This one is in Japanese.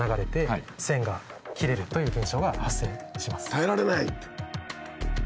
耐えられない！って。